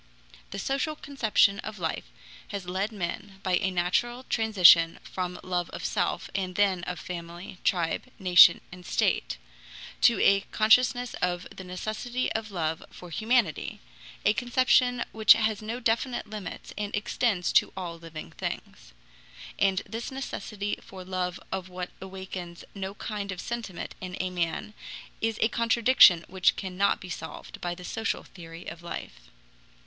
The social conception of life has led men, by a natural transition from love of self and then of family, tribe, nation, and state, to a consciousness of the necessity of love for humanity, a conception which has no definite limits and extends to all living things. And this necessity for love of what awakens no kind of sentiment in a man is a contradiction which cannot be solved by the social theory of life.